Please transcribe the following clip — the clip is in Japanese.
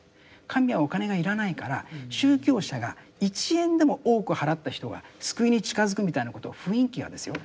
神はお金が要らないから宗教者が１円でも多く払った人が救いに近づくみたいなこと雰囲気がですよ